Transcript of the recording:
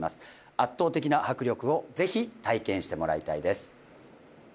圧倒的な迫力をぜひ体験してもらいたいです